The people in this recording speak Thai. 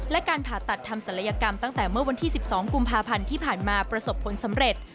และการผ่าตัดทำศัลยกรรมตั้งแต่เมื่อวันที่๑๒กุมภาพันธ์ที่ผ่านมาประสบผลสำเร็จ